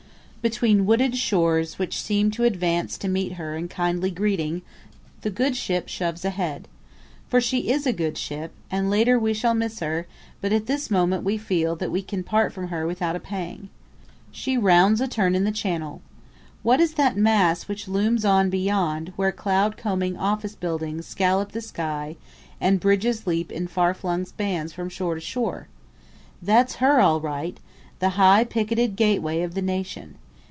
Between wooded shores which seem to advance to meet her in kindly greeting, the good ship shoves ahead. For she is a good ship, and later we shall miss her, but at this moment we feel that we can part from her without a pang. She rounds a turn in the channel. What is that mass which looms on beyond, where cloud combing office buildings scallop the sky and bridges leap in far flung spans from shore to shore? That's her all right the high picketed gateway of the nation.